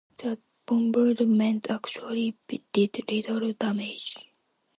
The bombardment actually did little damage.